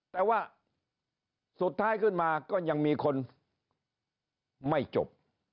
แต่ว่าสุดท้ายขึ้นมาก็ยังมีคนไม่จบ